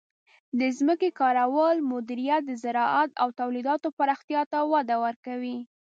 د ځمکې کارولو مدیریت د زراعت او تولیداتو پراختیا ته وده ورکوي.